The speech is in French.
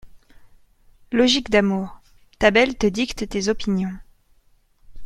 Logique d'amour: ta belle te dicte tes opinions.